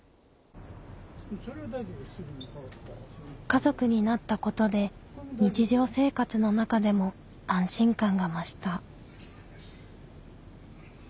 家族になったことで日常生活の中でも安心感が増した。